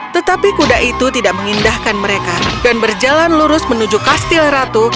tetapi kuda itu tidak mengindahkan mereka dan berjalan lurus menuju kastil ratu